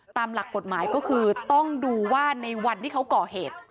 ตามหลักกฎหมายก็คือต้องดูว่าในวันที่เขาก่อเหตุ